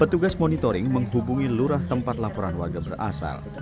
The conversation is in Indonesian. petugas monitoring menghubungi lurah tempat laporan warga berasal